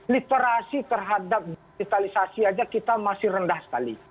literasi terhadap digitalisasi aja kita masih rendah sekali